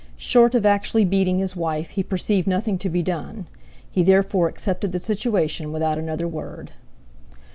Short of actually beating his wife, he perceived nothing to be done; he therefore accepted the situation without another word.